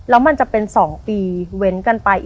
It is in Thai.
แล้วมันจะเป็น๒ปีเว้นกันไป